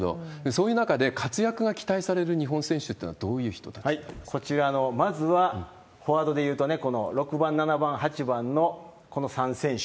そういう中で、活躍が期待される日本選手というのはどういう人たちになりますかこちら、まずはフォワードでいうとね、この６番、７番、８番のこの３選手。